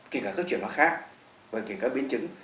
kể cả các chuyển hóa khác kể cả biến chứng